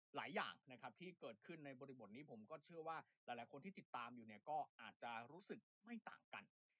หลายอย่างนะครับที่เกิดขึ้นในบริบทนี้ผมก็เชื่อว่าหลายคนที่ติดตามอยู่เนี่ยก็อาจจะรู้สึกไม่ต่างกัน